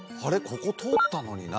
ここ通ったのにな？